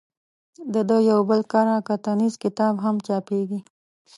د ده یو بل کره کتنیز کتاب هم چاپېږي.